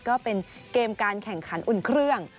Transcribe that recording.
ก็เป็นเกมการแข่งขันอุ่นเครื่อง